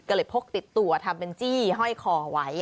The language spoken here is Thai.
ก็เลยพกติดตัวทำเป็นจี้ห้อยคอไว้